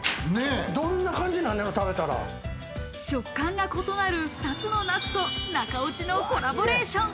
食感が異なる２つのナスと中落ちのコラボレーション。